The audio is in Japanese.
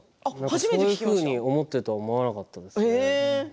そういうふうに思っているは思わなかった。